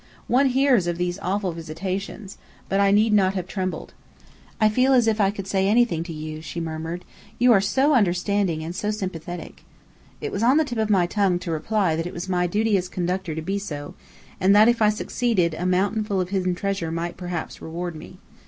One hears of these awful visitations. But I need not have trembled. "I feel as if I could say anything to you," she murmured. "You are so understanding, and so sympathetic." It was on the tip of my tongue to reply that it was my duty as Conductor to be so, and that, if I succeeded, a mountain full of hidden treasure might perhaps reward me.